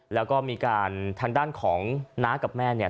แล้วก็มีการทางด้านของน้ากับแม่เนี่ย